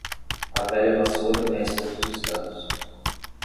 A velha vassoura conhece todos os cantos.